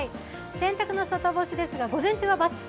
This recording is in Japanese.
洗濯の外干しですが、午前中は×。